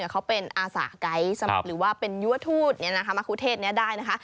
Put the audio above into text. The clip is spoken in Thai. เขาเป็นอาสาไกซ์หรือว่าเป็นยัวทูตมะครูเทศนี้ได้นะคะ